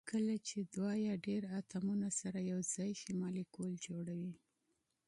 کله چې دوه یا ډیر اتومونه سره یو ځای شي مالیکول جوړوي